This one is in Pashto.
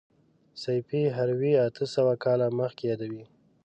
سیفي هروي اته سوه کاله مخکې یادوي.